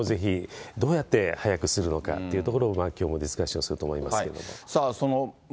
だからワクチンをぜひ、どうやって早くするのかっていうところもきょうもディスカッションすると思いますけれども。